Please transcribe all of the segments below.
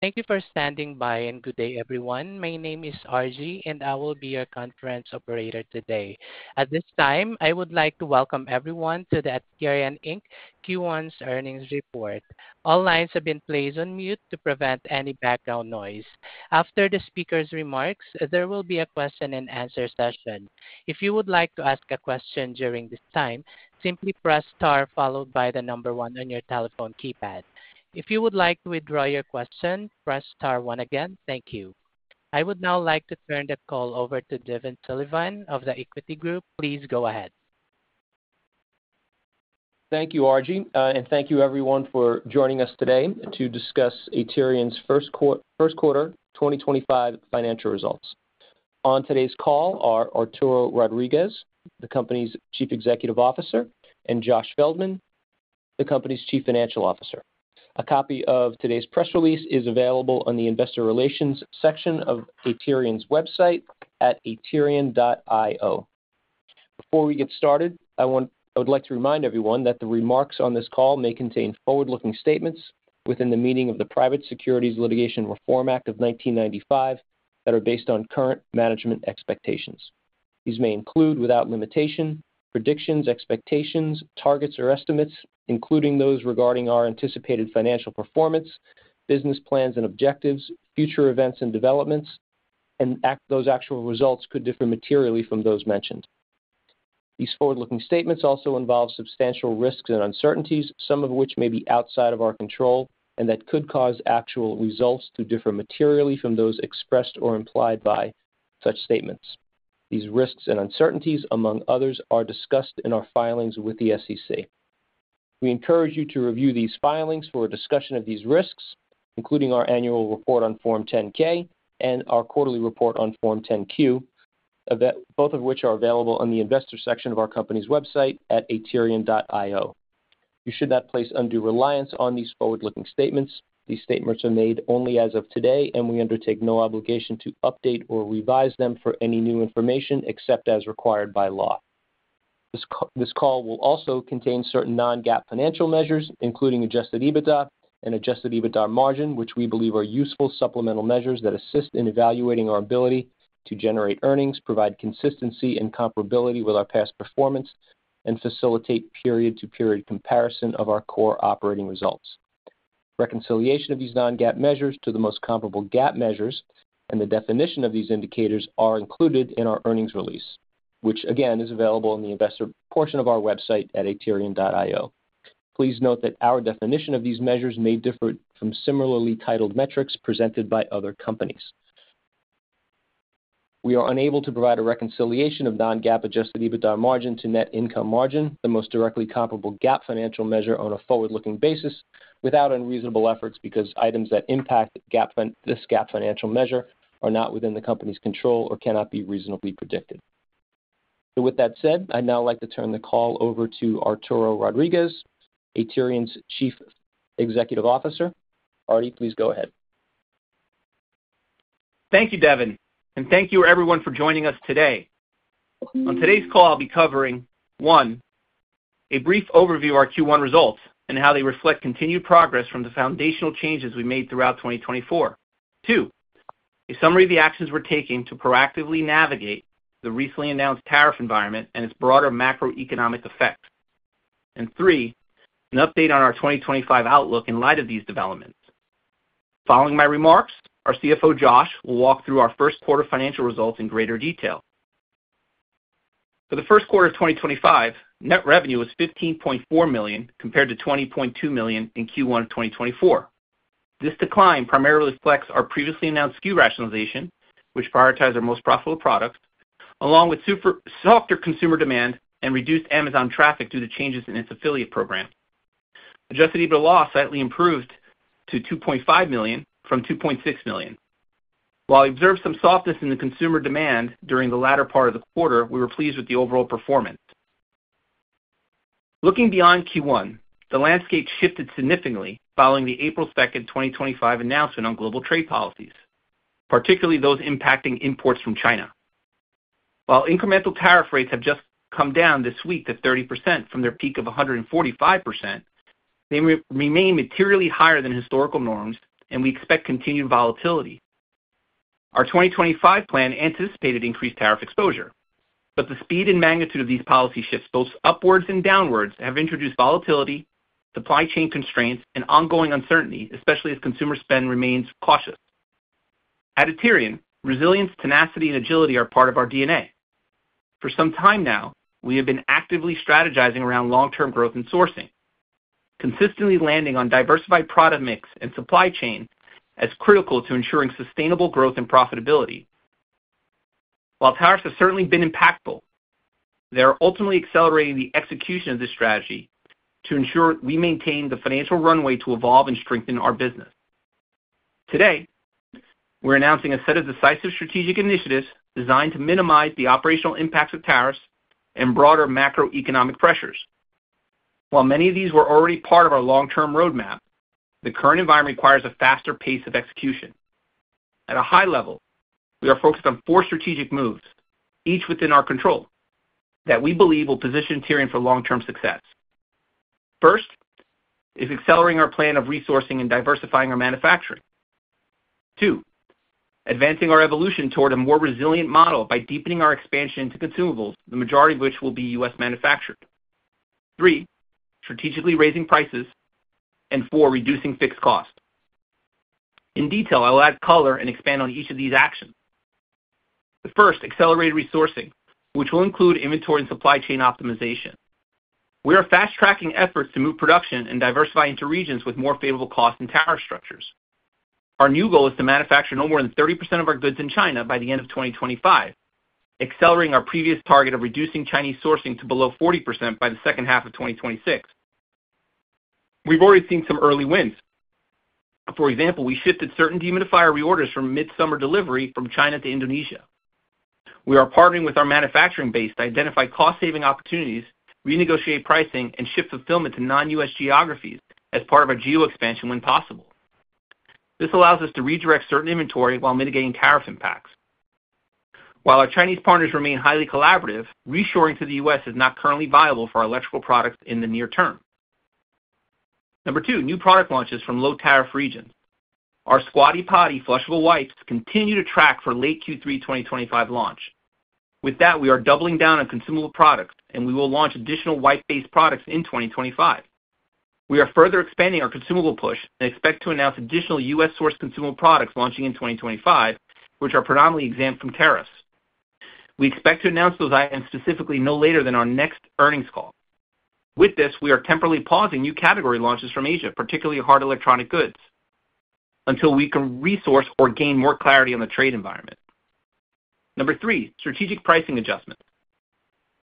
Thank you for standing by, and good day, everyone. My name is Arji, and I will be your conference operator today. At this time, I would like to welcome everyone to the Aterian Inc Q1 earnings report. All lines have been placed on mute to prevent any background noise. After the speaker's remarks, there will be a question-and-answer session. If you would like to ask a question during this time, simply press star followed by the number one on your telephone keypad. If you would like to withdraw your question, press star one again. Thank you. I would now like to turn the call over to Devin Sullivan of The Equity Group. Please go ahead. Thank you, Arji, and thank you, everyone, for joining us today to discuss Aterian's first quarter 2025 financial results. On today's call are Arturo Rodriguez, the company's Chief Executive Officer, and Josh Feldman, the company's Chief Financial Officer. A copy of today's press release is available on the investor relations section of Aterian's website at aterian.io. Before we get started, I would like to remind everyone that the remarks on this call may contain forward-looking statements within the meaning of the Private Securities Litigation Reform Act of 1995 that are based on current management expectations. These may include, without limitation, predictions, expectations, targets, or estimates, including those regarding our anticipated financial performance, business plans and objectives, future events and developments, and those actual results could differ materially from those mentioned. These forward-looking statements also involve substantial risks and uncertainties, some of which may be outside of our control and that could cause actual results to differ materially from those expressed or implied by such statements. These risks and uncertainties, among others, are discussed in our filings with the SEC. We encourage you to review these filings for a discussion of these risks, including our annual report on Form 10-K and our quarterly report on Form 10-Q, both of which are available on the investor section of our company's website at aterian.io. You should not place undue reliance on these forward-looking statements. These statements are made only as of today, and we undertake no obligation to update or revise them for any new information except as required by law. This call will also contain certain non-GAAP financial measures, including adjusted EBITDA and adjusted EBITDA margin, which we believe are useful supplemental measures that assist in evaluating our ability to generate earnings, provide consistency and comparability with our past performance, and facilitate period-to-period comparison of our core operating results. Reconciliation of these non-GAAP measures to the most comparable GAAP measures and the definition of these indicators are included in our earnings release, which, again, is available in the investor portion of our website at aterian.io. Please note that our definition of these measures may differ from similarly titled metrics presented by other companies. We are unable to provide a reconciliation of non-GAAP adjusted EBITDA margin to net income margin, the most directly comparable GAAP financial measure on a forward-looking basis, without unreasonable efforts because items that impact this GAAP financial measure are not within the company's control or cannot be reasonably predicted. With that said, I'd now like to turn the call over to Arturo Rodriguez, Aterian's Chief Executive Officer. Arti, please go ahead. Thank you, Devin, and thank you, everyone, for joining us today. On today's call, I'll be covering, one, a brief overview of our Q1 results and how they reflect continued progress from the foundational changes we made throughout 2024; two, a summary of the actions we're taking to proactively navigate the recently announced tariff environment and its broader macroeconomic effects; and three, an update on our 2025 outlook in light of these developments. Following my remarks, our CFO, Josh, will walk through our first quarter financial results in greater detail. For the first quarter of 2025, net revenue was $15.4 million compared to $20.2 million in Q1 of 2024. This decline primarily reflects our previously announced SKU rationalization, which prioritized our most profitable products, along with softer consumer demand and reduced Amazon traffic due to changes in its affiliate program. Adjusted EBITDA loss slightly improved to $2.5 million from $2.6 million. While we observed some softness in the consumer demand during the latter part of the quarter, we were pleased with the overall performance. Looking beyond Q1, the landscape shifted significantly following the April 2, 2025, announcement on global trade policies, particularly those impacting imports from China. While incremental tariff rates have just come down this week to 30% from their peak of 145%, they remain materially higher than historical norms, and we expect continued volatility. Our 2025 plan anticipated increased tariff exposure, but the speed and magnitude of these policy shifts, both upwards and downwards, have introduced volatility, supply chain constraints, and ongoing uncertainty, especially as consumer spend remains cautious. At Aterian, resilience, tenacity, and agility are part of our DNA. For some time now, we have been actively strategizing around long-term growth and sourcing, consistently landing on diversified product mix and supply chain as critical to ensuring sustainable growth and profitability. While tariffs have certainly been impactful, they are ultimately accelerating the execution of this strategy to ensure we maintain the financial runway to evolve and strengthen our business. Today, we're announcing a set of decisive strategic initiatives designed to minimize the operational impacts of tariffs and broader macroeconomic pressures. While many of these were already part of our long-term roadmap, the current environment requires a faster pace of execution. At a high level, we are focused on four strategic moves, each within our control, that we believe will position Aterian for long-term success. First, it's accelerating our plan of resourcing and diversifying our manufacturing. Two, advancing our evolution toward a more resilient model by deepening our expansion into consumables, the majority of which will be U.S. manufactured. Three, strategically raising prices, and four, reducing fixed costs. In detail, I'll add color and expand on each of these actions. The first, accelerated resourcing, which will include inventory and supply chain optimization. We are fast-tracking efforts to move production and diversify into regions with more favorable costs and tariff structures. Our new goal is to manufacture no more than 30% of our goods in China by the end of 2025, accelerating our previous target of reducing Chinese sourcing to below 40% by the second half of 2026. We've already seen some early wins. For example, we shifted certain dehumidifier reorders from mid-summer delivery from China to Indonesia. We are partnering with our manufacturing base to identify cost-saving opportunities, renegotiate pricing, and shift fulfillment to non-U.S. geographies as part of our geo-expansion when possible. This allows us to redirect certain inventory while mitigating tariff impacts. While our Chinese partners remain highly collaborative, reshoring to the U.S. is not currently viable for our electrical products in the near term. Number two, new product launches from low-tariff regions. Our Squatty Potty flushable wipes continue to track for late Q3 2025 launch. With that, we are doubling down on consumable products, and we will launch additional wipe-based products in 2025. We are further expanding our consumable push and expect to announce additional U.S.-sourced consumable products launching in 2025, which are predominantly exempt from tariffs. We expect to announce those items specifically no later than our next earnings call. With this, we are temporarily pausing new category launches from Asia, particularly hard electronic goods, until we can resource or gain more clarity on the trade environment. Number three, strategic pricing adjustments.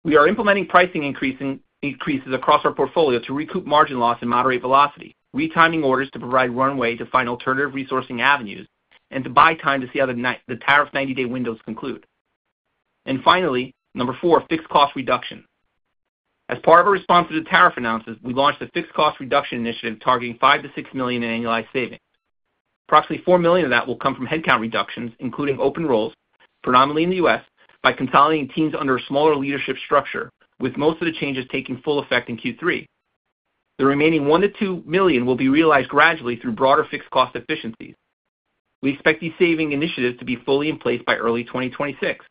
We are implementing pricing increases across our portfolio to recoup margin loss in moderate velocity, retiming orders to provide runway to find alternative resourcing avenues and to buy time to see how the tariff 90-day windows conclude. Finally, number four, fixed cost reduction. As part of a response to the tariff announcements, we launched a fixed cost reduction initiative targeting $5 million-$6 million in annualized savings. Approximately $4 million of that will come from headcount reductions, including open roles, predominantly in the U.S., by consolidating teams under a smaller leadership structure, with most of the changes taking full effect in Q3. The remaining $1 million-$2 million will be realized gradually through broader fixed cost efficiencies. We expect these saving initiatives to be fully in place by early 2026.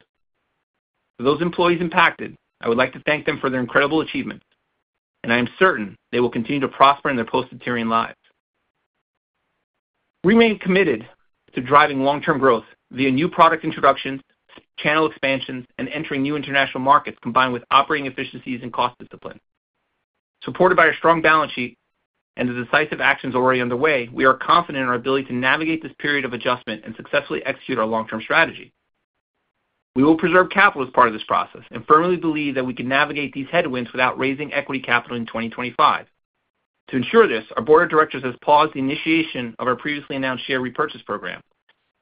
For those employees impacted, I would like to thank them for their incredible achievements, and I am certain they will continue to prosper in their post-Aterian lives. We remain committed to driving long-term growth via new product introductions, channel expansions, and entering new international markets, combined with operating efficiencies and cost discipline. Supported by our strong balance sheet and the decisive actions already underway, we are confident in our ability to navigate this period of adjustment and successfully execute our long-term strategy. We will preserve capital as part of this process and firmly believe that we can navigate these headwinds without raising equity capital in 2025. To ensure this, our board of directors has paused the initiation of our previously announced share repurchase program,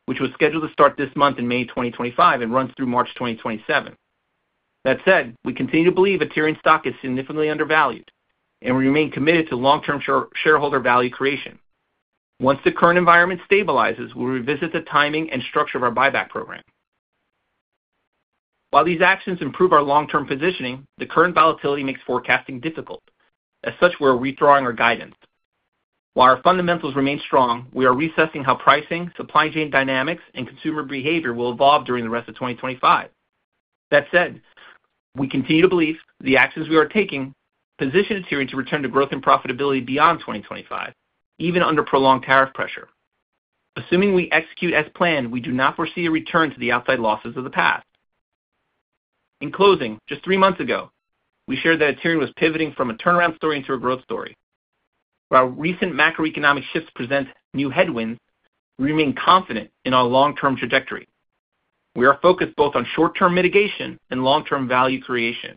which was scheduled to start this month in May 2025 and run through March 2027. That said, we continue to believe Aterian stock is significantly undervalued, and we remain committed to long-term shareholder value creation. Once the current environment stabilizes, we'll revisit the timing and structure of our buyback program. While these actions improve our long-term positioning, the current volatility makes forecasting difficult. As such, we're redrawing our guidance. While our fundamentals remain strong, we are reassessing how pricing, supply chain dynamics, and consumer behavior will evolve during the rest of 2025. That said, we continue to believe the actions we are taking position Aterian to return to growth and profitability beyond 2025, even under prolonged tariff pressure. Assuming we execute as planned, we do not foresee a return to the outside losses of the past. In closing, just three months ago, we shared that Aterian was pivoting from a turnaround story into a growth story. While recent macroeconomic shifts present new headwinds, we remain confident in our long-term trajectory. We are focused both on short-term mitigation and long-term value creation.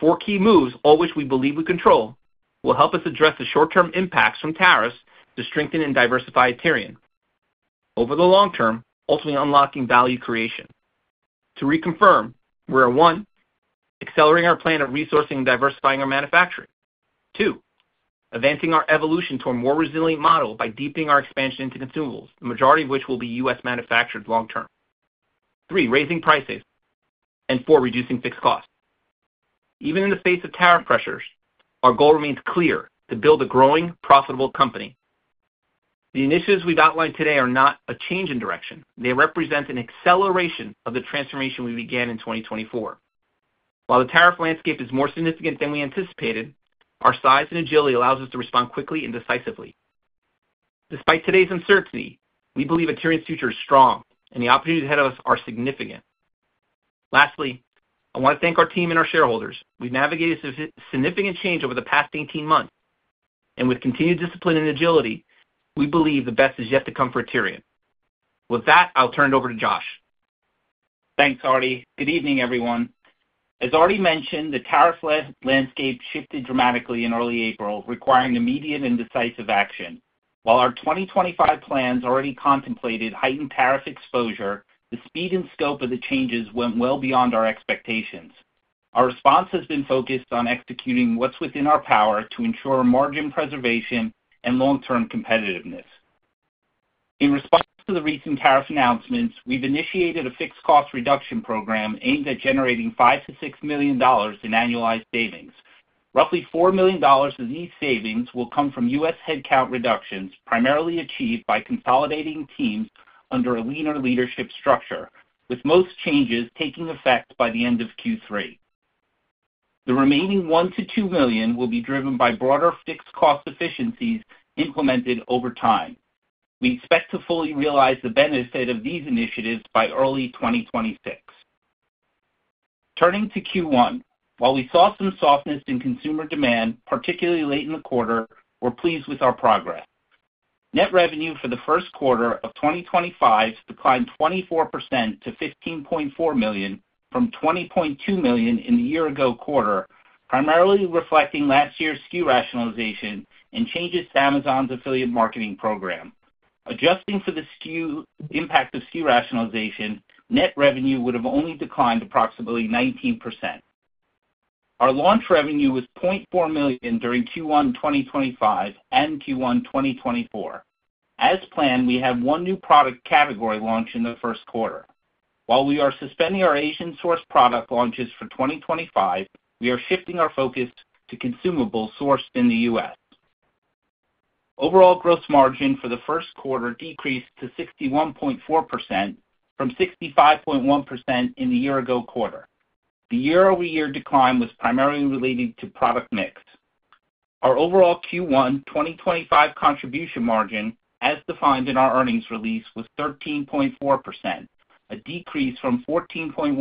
Four key moves, all of which we believe we control, will help us address the short-term impacts from tariffs to strengthen and diversify Aterian over the long term, ultimately unlocking value creation. To reconfirm, we're: one, accelerating our plan of resourcing and diversifying our manufacturing; two, advancing our evolution toward a more resilient model by deepening our expansion into consumables, the majority of which will be U.S.-manufactured long-term; three, raising prices; and four, reducing fixed costs. Even in the face of tariff pressures, our goal remains clear: to build a growing, profitable company. The initiatives we've outlined today are not a change in direction. They represent an acceleration of the transformation we began in 2024. While the tariff landscape is more significant than we anticipated, our size and agility allows us to respond quickly and decisively. Despite today's uncertainty, we believe Aterian's future is strong, and the opportunities ahead of us are significant. Lastly, I want to thank our team and our shareholders. We've navigated significant change over the past 18 months, and with continued discipline and agility, we believe the best is yet to come for Aterian. With that, I'll turn it over to Josh. Thanks, Arti. Good evening, everyone. As Arti mentioned, the tariff landscape shifted dramatically in early April, requiring immediate and decisive action. While our 2025 plans already contemplated heightened tariff exposure, the speed and scope of the changes went well beyond our expectations. Our response has been focused on executing what's within our power to ensure margin preservation and long-term competitiveness. In response to the recent tariff announcements, we've initiated a fixed cost reduction program aimed at generating $5 million-$6 million in annualized savings. Roughly $4 million of these savings will come from U.S. headcount reductions, primarily achieved by consolidating teams under a leaner leadership structure, with most changes taking effect by the end of Q3. The remaining $1 million-$2 million will be driven by broader fixed cost efficiencies implemented over time. We expect to fully realize the benefit of these initiatives by early 2026. Turning to Q1, while we saw some softness in consumer demand, particularly late in the quarter, we're pleased with our progress. Net revenue for the first quarter of 2025 declined 24% to $15.4 million, from $20.2 million in the year-ago quarter, primarily reflecting last year's SKU rationalization and changes to Amazon's affiliate marketing program. Adjusting for the impact of SKU rationalization, net revenue would have only declined approximately 19%. Our launch revenue was $0.4 million during Q1 2025 and Q1 2024. As planned, we had one new product category launch in the first quarter. While we are suspending our Asian-sourced product launches for 2025, we are shifting our focus to consumables sourced in the U.S. Overall gross margin for the first quarter decreased to 61.4%, from 65.1% in the year-ago quarter. The year-over-year decline was primarily related to product mix. Our overall Q1 2025 contribution margin, as defined in our earnings release, was 13.4%, a decrease from 14.1%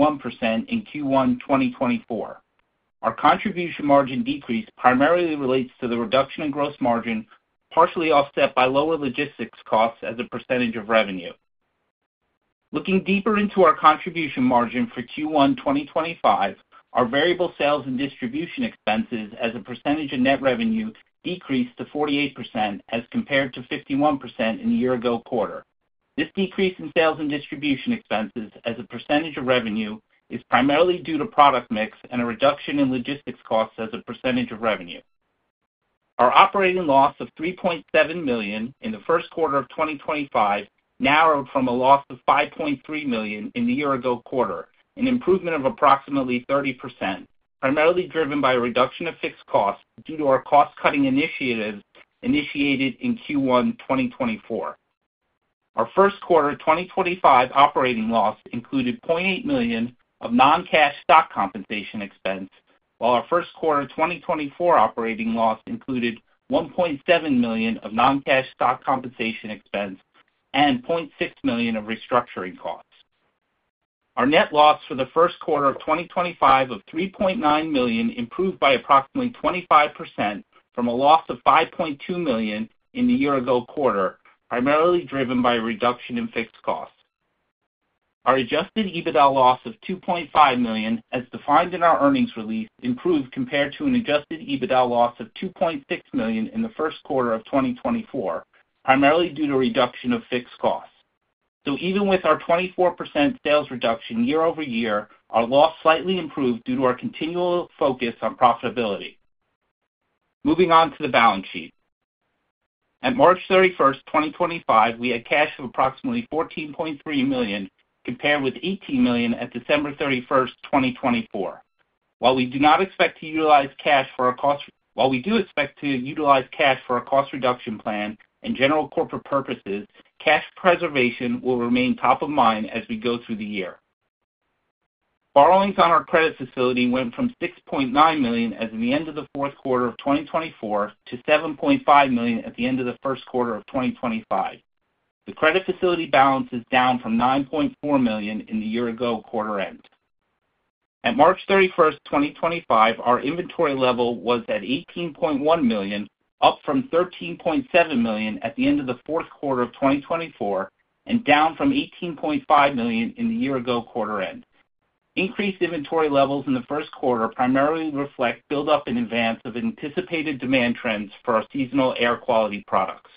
in Q1 2024. Our contribution margin decrease primarily relates to the reduction in gross margin, partially offset by lower logistics costs as a percentage of revenue. Looking deeper into our contribution margin for Q1 2025, our variable sales and distribution expenses as a percentage of net revenue decreased to 48%, as compared to 51% in the year-ago quarter. This decrease in sales and distribution expenses as a percentage of revenue is primarily due to product mix and a reduction in logistics costs as a percentage of revenue. Our operating loss of $3.7 million in the first quarter of 2025 narrowed from a loss of $5.3 million in the year-ago quarter, an improvement of approximately 30%, primarily driven by a reduction of fixed costs due to our cost-cutting initiatives initiated in Q1 2024. Our first quarter 2025 operating loss included $0.8 million of non-cash stock compensation expense, while our first quarter 2024 operating loss included $1.7 million of non-cash stock compensation expense and $0.6 million of restructuring costs. Our net loss for the first quarter of 2025 of $3.9 million improved by approximately 25% from a loss of $5.2 million in the year-ago quarter, primarily driven by a reduction in fixed costs. Our adjusted EBITDA loss of $2.5 million, as defined in our earnings release, improved compared to an adjusted EBITDA loss of $2.6 million in the first quarter of 2024, primarily due to a reduction of fixed costs. Even with our 24% sales reduction year-over-year, our loss slightly improved due to our continual focus on profitability. Moving on to the balance sheet. At March 31st, 2025, we had cash of approximately $14.3 million, compared with $18 million at December 31st, 2024. While we do not expect to utilize cash for our cost. While we do expect to utilize cash for our cost reduction plan and general corporate purposes, cash preservation will remain top of mind as we go through the year. Borrowings on our credit facility went from $6.9 million, as in the end of the fourth quarter of 2024, to $7.5 million at the end of the first quarter of 2025. The credit facility balance is down from $9.4 million in the year-ago quarter end. At March 31st, 2025, our inventory level was at $18.1 million, up from $13.7 million at the end of the fourth quarter of 2024, and down from $18.5 million in the year-ago quarter end. Increased inventory levels in the first quarter primarily reflect buildup in advance of anticipated demand trends for our seasonal air quality products.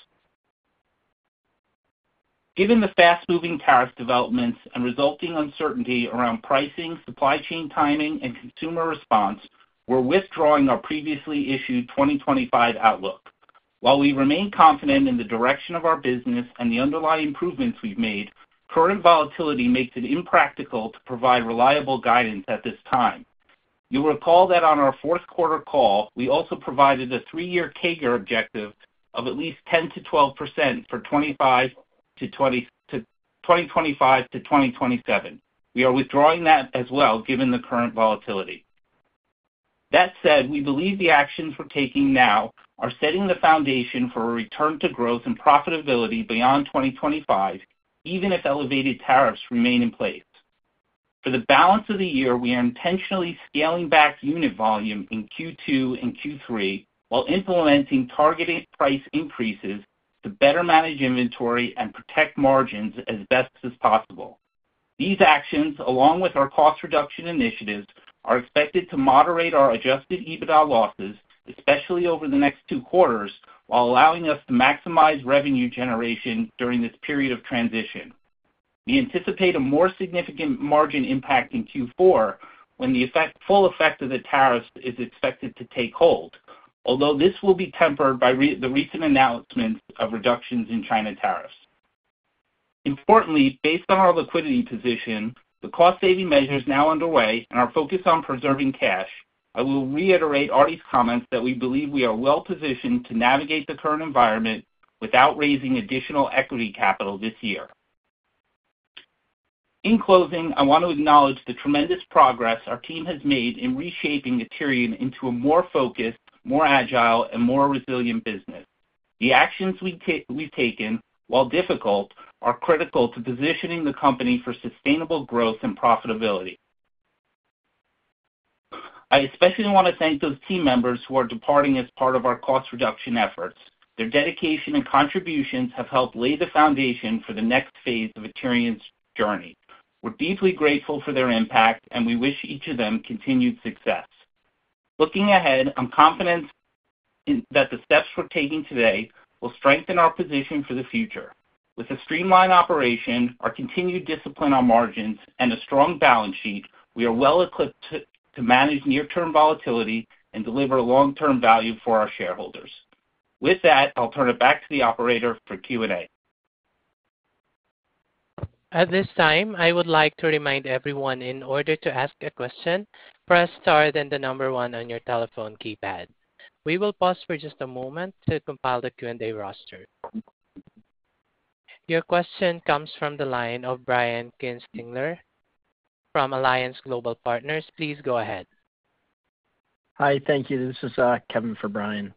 Given the fast-moving tariff developments and resulting uncertainty around pricing, supply chain timing, and consumer response, we're withdrawing our previously issued 2025 outlook. While we remain confident in the direction of our business and the underlying improvements we've made, current volatility makes it impractical to provide reliable guidance at this time. You'll recall that on our fourth quarter call, we also provided a three-year CAGR objective of at least 10%-12% for 2025 to 2027. We are withdrawing that as well, given the current volatility. That said, we believe the actions we're taking now are setting the foundation for a return to growth and profitability beyond 2025, even if elevated tariffs remain in place. For the balance of the year, we are intentionally scaling back unit volume in Q2 and Q3 while implementing targeted price increases to better manage inventory and protect margins as best as possible. These actions, along with our cost reduction initiatives, are expected to moderate our adjusted EBITDA losses, especially over the next two quarters, while allowing us to maximize revenue generation during this period of transition. We anticipate a more significant margin impact in Q4 when the full effect of the tariffs is expected to take hold, although this will be tempered by the recent announcements of reductions in China tariffs. Importantly, based on our liquidity position, the cost-saving measures now underway, and our focus on preserving cash, I will reiterate Arti's comments that we believe we are well-positioned to navigate the current environment without raising additional equity capital this year. In closing, I want to acknowledge the tremendous progress our team has made in reshaping Aterian into a more focused, more agile, and more resilient business. The actions we've taken, while difficult, are critical to positioning the company for sustainable growth and profitability. I especially want to thank those team members who are departing as part of our cost reduction efforts. Their dedication and contributions have helped lay the foundation for the next phase of Aterian's journey. We're deeply grateful for their impact, and we wish each of them continued success. Looking ahead, I'm confident that the steps we're taking today will strengthen our position for the future. With a streamlined operation, our continued discipline on margins, and a strong balance sheet, we are well-equipped to manage near-term volatility and deliver long-term value for our shareholders. With that, I'll turn it back to the operator for Q&A. At this time, I would like to remind everyone, in order to ask a question, press star then the number one on your telephone keypad. We will pause for just a moment to compile the Q&A roster. Your question comes from the line of Brian Kinstlinger from Alliance Global Partners. Please go ahead. Hi, thank you. This is Kevin for Brian.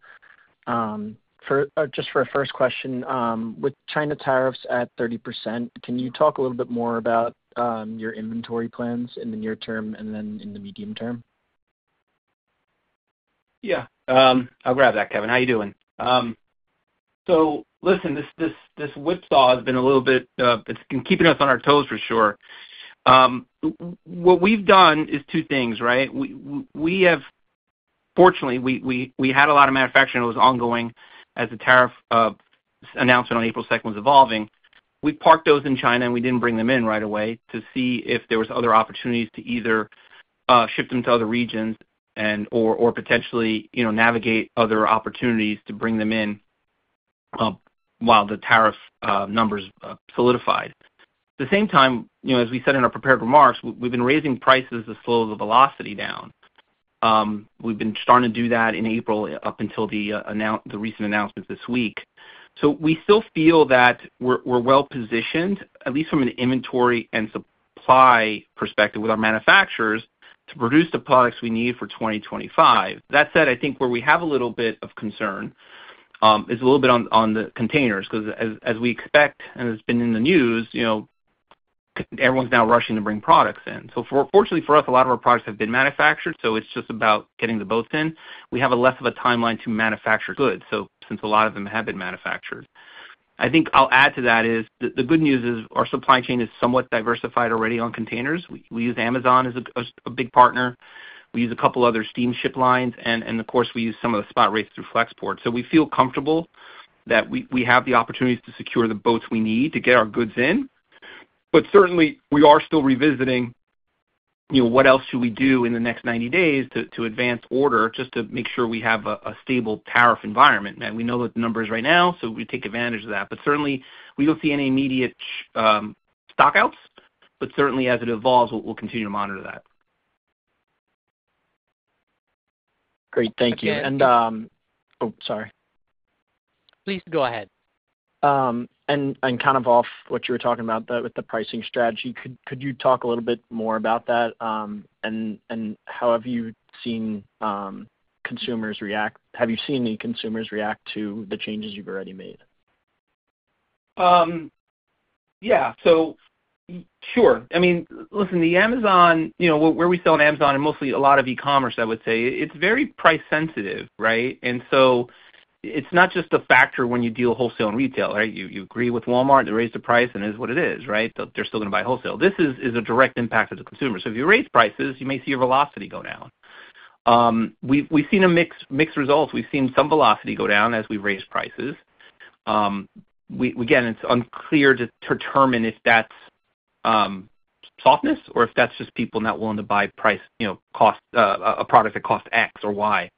Just for a first question, with China tariffs at 30%, can you talk a little bit more about your inventory plans in the near term and then in the medium term? Yeah, I'll grab that, Kevin. How are you doing? Listen, this whipsaw has been a little bit—it has been keeping us on our toes, for sure. What we have done is two things, right? Fortunately, we had a lot of manufacturing that was ongoing as the tariff announcement on April 2nd was evolving. We parked those in China, and we did not bring them in right away to see if there were other opportunities to either ship them to other regions or potentially navigate other opportunities to bring them in while the tariff numbers solidified. At the same time, as we said in our prepared remarks, we have been raising prices as slow as the velocity down. We have been starting to do that in April up until the recent announcements this week. We still feel that we're well-positioned, at least from an inventory and supply perspective with our manufacturers, to produce the products we need for 2025. That said, I think where we have a little bit of concern is a little bit on the containers because, as we expect and as has been in the news, everyone's now rushing to bring products in. Fortunately for us, a lot of our products have been manufactured, so it's just about getting the boats in. We have less of a timeline to manufacture goods since a lot of them have been manufactured. I think I'll add to that the good news is our supply chain is somewhat diversified already on containers. We use Amazon as a big partner. We use a couple of other steamship lines, and of course, we use some of the spot rates through Flexport. We feel comfortable that we have the opportunities to secure the boats we need to get our goods in. Certainly, we are still revisiting what else should we do in the next 90 days to advance order just to make sure we have a stable tariff environment. We know the numbers right now, so we take advantage of that. Certainly, we do not see any immediate stockouts, but as it evolves, we will continue to monitor that. Great. Thank you. Oh, sorry. Please go ahead. Kind of off what you were talking about with the pricing strategy, could you talk a little bit more about that and how have you seen consumers react? Have you seen any consumers react to the changes you've already made? Yeah. So sure. I mean, listen, where we sell on Amazon and mostly a lot of e-commerce, I would say, it's very price-sensitive, right? And so it's not just a factor when you deal wholesale and retail, right? You agree with Walmart to raise the price, and it is what it is, right? They're still going to buy wholesale. This is a direct impact to the consumer. If you raise prices, you may see your velocity go down. We've seen mixed results. We've seen some velocity go down as we raise prices. Again, it's unclear to determine if that's softness or if that's just people not willing to buy a product that costs X or Y.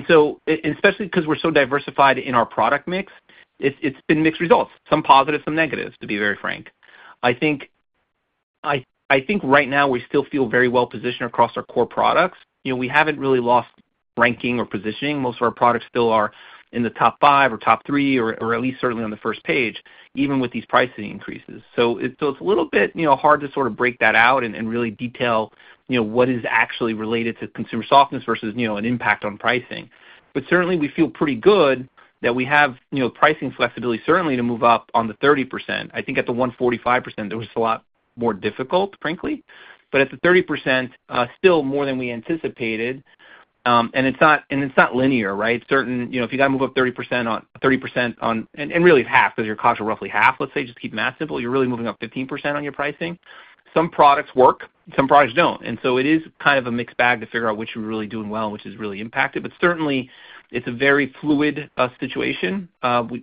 Especially because we're so diversified in our product mix, it's been mixed results. Some positive, some negative, to be very frank. I think right now we still feel very well-positioned across our core products. We haven't really lost ranking or positioning. Most of our products still are in the top five or top three, or at least certainly on the first page, even with these pricing increases. It is a little bit hard to sort of break that out and really detail what is actually related to consumer softness versus an impact on pricing. Certainly, we feel pretty good that we have pricing flexibility, certainly to move up on the 30%. I think at the 145%, it was a lot more difficult, frankly. At the 30%, still more than we anticipated. It is not linear, right? If you got to move up 30% on—and really half, because your costs are roughly half, let's say, just to keep it math simple, you're really moving up 15% on your pricing. Some products work. Some products don't. It is kind of a mixed bag to figure out which we're really doing well, which has really impacted. Certainly, it's a very fluid situation.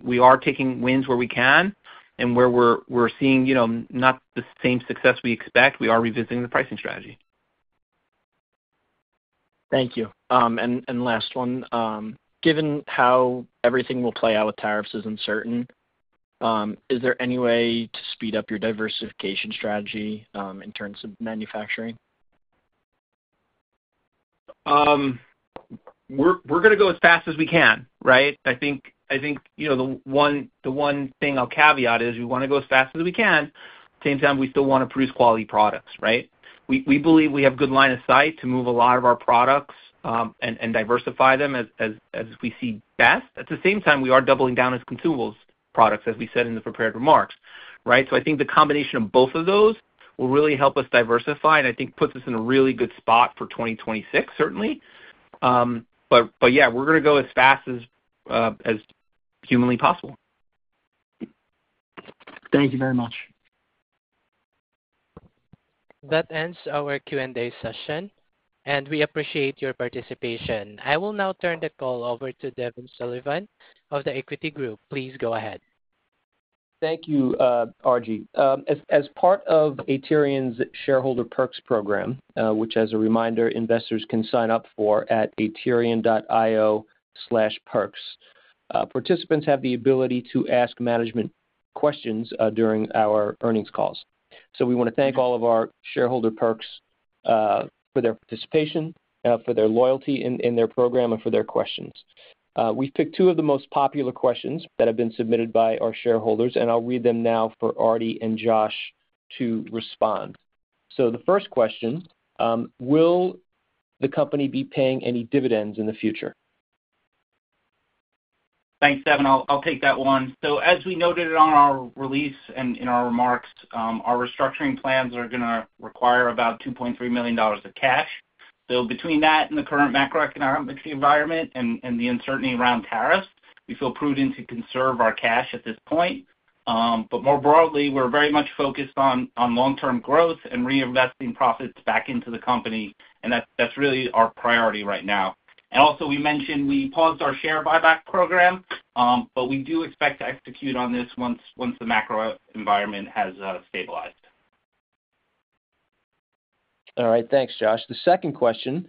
We are taking wins where we can, and where we're seeing not the same success we expect, we are revisiting the pricing strategy. Thank you. Last one. Given how everything will play out with tariffs is uncertain, is there any way to speed up your diversification strategy in terms of manufacturing? We're going to go as fast as we can, right? I think the one thing I'll caveat is we want to go as fast as we can. At the same time, we still want to produce quality products, right? We believe we have a good line of sight to move a lot of our products and diversify them as we see best. At the same time, we are doubling down on consumables products, as we said in the prepared remarks, right? I think the combination of both of those will really help us diversify, and I think puts us in a really good spot for 2026, certainly. Yeah, we're going to go as fast as humanly possible. Thank you very much. That ends our Q&A session, and we appreciate your participation. I will now turn the call over to Devin Sullivan of The Equity Group. Please go ahead. Thank you, Arji. As part of Aterian's shareholder perks program, which, as a reminder, investors can sign up for at aterian.io/perks, participants have the ability to ask management questions during our earnings calls. We want to thank all of our shareholder perks for their participation, for their loyalty in their program, and for their questions. We've picked two of the most popular questions that have been submitted by our shareholders, and I'll read them now for Arti and Josh to respond. The first question: Will the company be paying any dividends in the future? Thanks, Devin. I'll take that one. As we noted on our release and in our remarks, our restructuring plans are going to require about $2.3 million of cash. Between that and the current macroeconomic environment and the uncertainty around tariffs, we feel prudent to conserve our cash at this point. More broadly, we're very much focused on long-term growth and reinvesting profits back into the company. That's really our priority right now. Also, we mentioned we paused our share buyback program, but we do expect to execute on this once the macro environment has stabilized. All right. Thanks, Josh. The second question: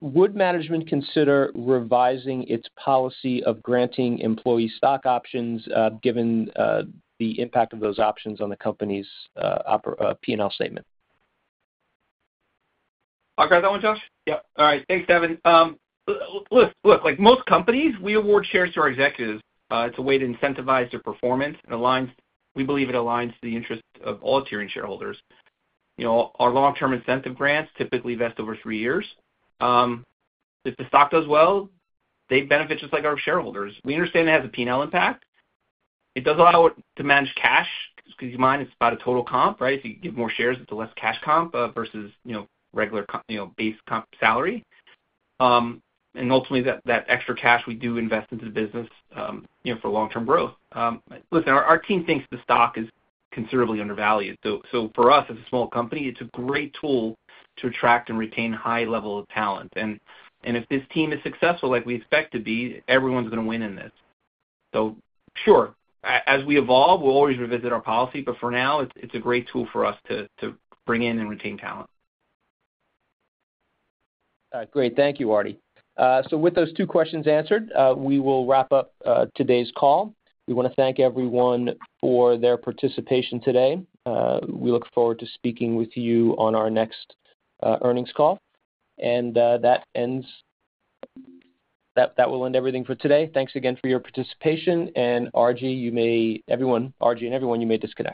Would management consider revising its policy of granting employee stock options given the impact of those options on the company's P&L statement? I'll grab that one, Josh. Yep. All right. Thanks, Devin. Look, like most companies, we award shares to our executives. It's a way to incentivize their performance. We believe it aligns to the interests of all Aterian shareholders. Our long-term incentive grants typically vest over three years. If the stock does well, they benefit just like our shareholders. We understand it has a P&L impact. It does allow us to manage cash. Excuse my mind, it's about a total comp, right? If you give more shares, it's a less cash comp versus regular base comp salary. Ultimately, that extra cash, we do invest into the business for long-term growth. Listen, our team thinks the stock is considerably undervalued. For us, as a small company, it's a great tool to attract and retain high-level talent. If this team is successful, like we expect to be, everyone's going to win in this. Sure, as we evolve, we'll always revisit our policy. For now, it's a great tool for us to bring in and retain talent. Great. Thank you, Arti. With those two questions answered, we will wrap up today's call. We want to thank everyone for their participation today. We look forward to speaking with you on our next earnings call. That will end everything for today. Thanks again for your participation. Arji and everyone, you may disconnect.